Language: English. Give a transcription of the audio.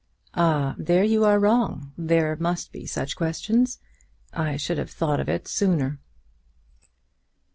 "Ah; there you are wrong. There must be such questions. I should have thought of it sooner."